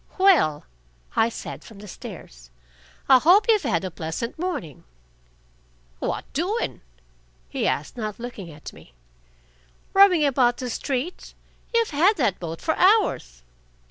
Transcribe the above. "Well," I said, from the stairs, "I hope you've had a pleasant morning." "What doing?" he asked, not looking at me. "Rowing about the streets. You've had that boat for hours."